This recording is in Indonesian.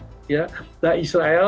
yang tidak terbayangkan oleh israel